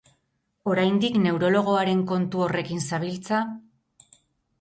Oraindik neurologoaren kontu horrekin zabiltza?